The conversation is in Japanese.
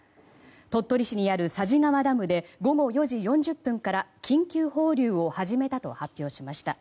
鳥取市にある佐治川ダムで午後４時４０分から緊急放流を始めたと発表しました。